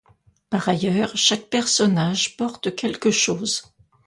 Par ailleurs, chaque personnage porte quelque chose.